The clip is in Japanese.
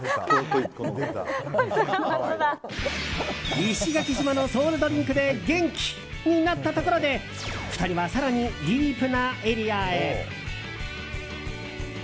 石垣島のソウルドリンクで元気になったところで２人は更にディープなエリアへ。